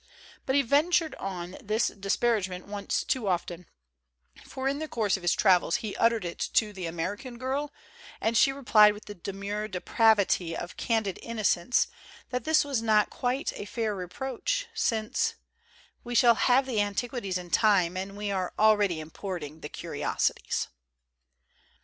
But he ventured on this dispar agement once too often, for in the course of his travels he uttered it to the American Girl, and she replied with the demure depravity of candid innocence that this was not quite a fair reproach, since "we shall have the antiquities in time, and we are already importing the curiosities."